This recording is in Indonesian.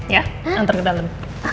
ya antar ke dalam